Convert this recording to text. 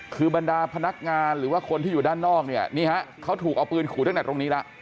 คือบรรดาพนักงานหรือว่าคนที่อยู่ด้านนอกเนี่ยนี่ฮะเขาถูกเอาปืนขู่ตั้งแต่ตรงนี้แล้ว